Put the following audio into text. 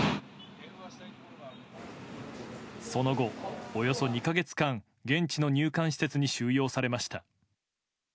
その後、およそ２か月間現地の入管施設に収容されました。